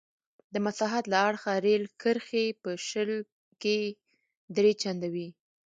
د مساحت له اړخه رېل کرښې په شل کې درې چنده وې.